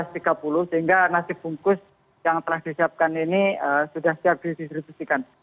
sehingga nasi bungkus yang telah disiapkan ini sudah siap didistribusikan